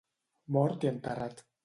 Mort i enterrat.